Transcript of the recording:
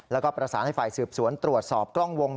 แล้วก็ประสานให้ฝ่ายสืบสวนตรวจสอบกล้องวง